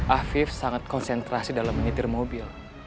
afid sangat konsentrasi dalam mengitir mobil